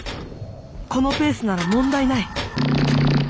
このペースなら問題ない。